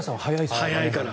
早いから。